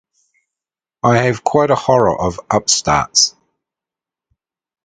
I have quite a horror of upstarts.